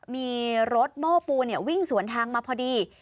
มีรถโม้ปูวิ่งสวนทางมาพอดี